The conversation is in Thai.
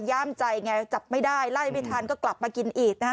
ย่ามใจไงจับไม่ได้ไล่ไม่ทันก็กลับมากินอีกนะฮะ